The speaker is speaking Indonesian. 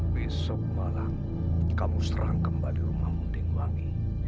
besok malam kamu serang kembali rumah munding wangi